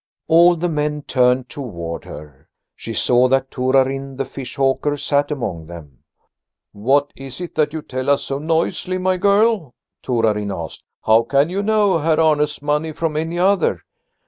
All the men turned toward her. She saw that Torarin the fish hawker sat among them. "What is that you tell us so noisily, my girl?" Torarin asked. "How can you know Herr Arne's moneys from any other?"